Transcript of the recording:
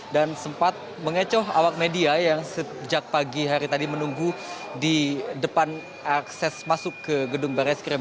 dan sempat mengecoh awak media yang sejak pagi hari tadi menunggu di depan akses masuk ke gedung barat skrim